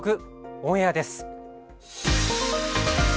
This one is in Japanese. オンエアです。